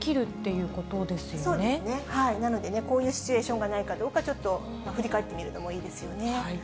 そうですね、なのでね、こういうシチュエーションがないかどうか、ちょっと振り返ってみるのもいいですよね。